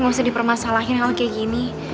gak usah dipermasalahin hal kayak gini